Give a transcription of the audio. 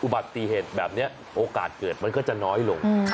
แบบนี้โอกาสเกิดมันก็จะน้อยลง